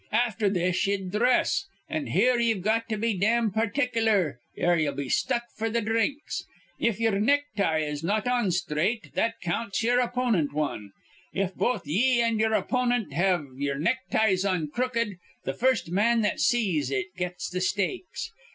Afther this ye'd dhress, an' here ye've got to be dam particklar or ye'll be stuck f'r th' dhrinks. If ye'er necktie is not on sthraight, that counts ye'er opponent wan. If both ye an' ye'er opponent have ye'er neckties on crooked, th' first man that sees it gets th' stakes.